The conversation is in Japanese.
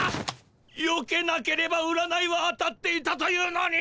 よけなければ占いは当たっていたというのに。